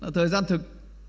thời gian thực